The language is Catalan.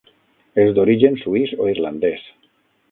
És d'origen suís o irlandès.